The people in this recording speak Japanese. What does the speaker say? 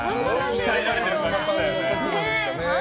鍛えられてる感じしたよね。